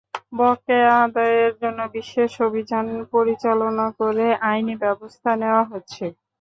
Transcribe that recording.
বকেয়া আদায়ের জন্য বিশেষ অভিযান পরিচালনা করে আইনি ব্যবস্থা নেওয়া হচ্ছে।